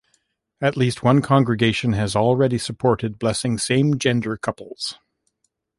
At least one congregation has already supported blessing same-gender couples.